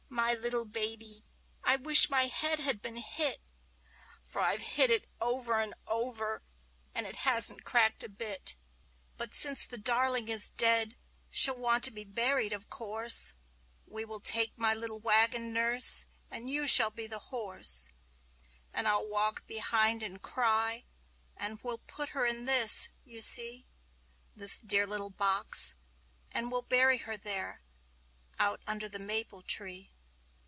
my little baby! I wish my head had been hit! For I've hit it over and over, and it hasn't cracked a bit. But since the darling is dead, she'll want to be buried, of course: We will take my little wagon, Nurse, and you shall be the horse; And I'll walk behind and cry, and we'll put her in this, you see This dear little box and we'll bury her there out under the maple tree.